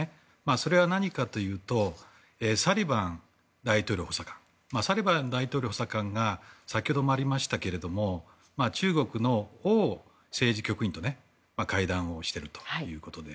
それは何かというとサリバン大統領補佐官が先ほどもありましたけれども中国の王政治局員と会談をしているということで。